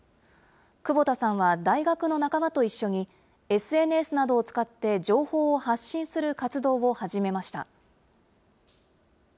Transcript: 久保田さんは大学の仲間と一緒に、ＳＮＳなどを使って情報を発信する活動を始めました。